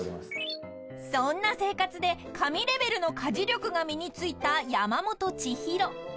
［そんな生活で神レベルの家事力が身に付いた山本知博］